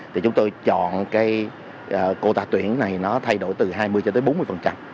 thì chúng tôi chọn cái cô ta tuyển này nó thay đổi từ hai mươi cho tới bốn mươi